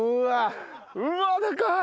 うわでかい！